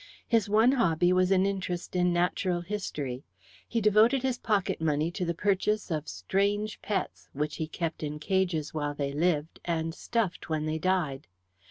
His one hobby was an interest in natural history. He devoted his pocket money to the purchase of strange pets, which he kept in cages while they lived and stuffed when they died.